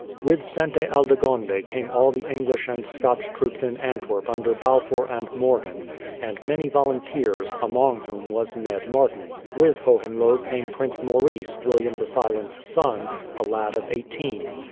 With Sainte Aldegonde came all the English and Scotch troops in Antwerp under Balfour and Morgan, and many volunteers, among whom was Ned Martin. With Hohenlohe came Prince Maurice, William the Silent's son, a lad of eighteen.